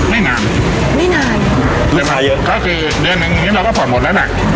ไม่นานไม่นานหรือขายเยอะก็คือเดือนหนึ่งนี้เราก็ผ่อนหมดแล้วแหละ